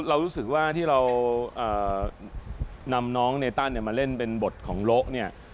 เรารู้สึกว่าที่เรานำน้องเนตันมาเล่นเป็นบทของโละเนี่ย